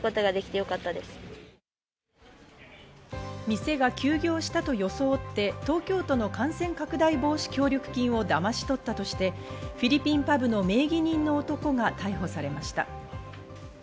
店が休業したと装って、東京都の感染拡大防止協力金をだまし取ったとしてフィリピンパブの名義人の男が逮捕されました。